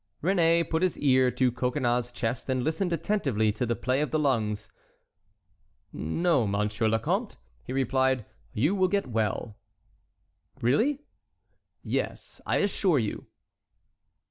Réné put his ear to Coconnas's chest and listened attentively to the play of the lungs. "No, Monsieur le Comte," he replied, "you will get well." "Really?" "Yes, I assure you."